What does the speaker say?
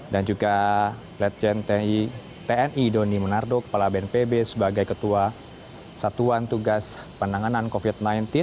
dan juga legend tni doni menardo kepala bnpb sebagai ketua satuan tugas penanganan covid sembilan belas